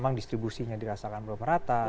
memang distribusinya dirasakan belum rata